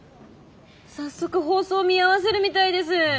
早速放送見合わせるみたいです。